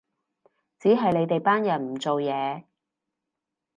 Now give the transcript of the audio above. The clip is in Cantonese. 只係你哋班人唔做嘢